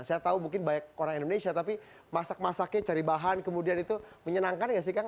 saya tahu mungkin banyak orang indonesia tapi masak masaknya cari bahan kemudian itu menyenangkan gak sih kang